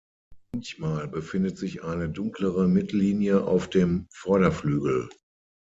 Manchmal befindet sich eine dunklere Mittellinie auf dem Vorderflügel.